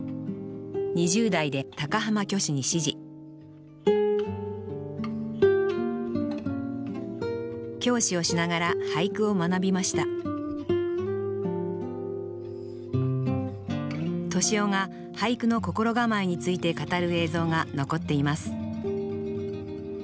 ２０代で高浜虚子に師事教師をしながら俳句を学びました敏郎が俳句の心構えについて語る映像が残っています